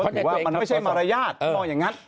บอกว่ามันไม่ใช่มารยาทมองอย่างนั้น